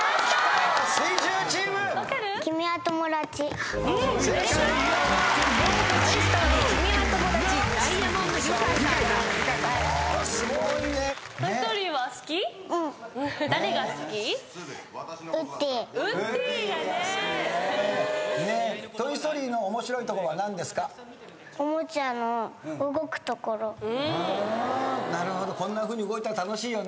こんなふうに動いたら楽しいよね。